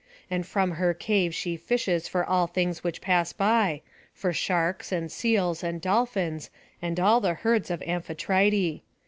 And from her cave she fishes for all things which pass by, for sharks, and seals, and dolphins, and all the herds of Amphitrite.